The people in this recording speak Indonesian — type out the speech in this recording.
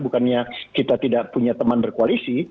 bukannya kita tidak punya teman berkoalisi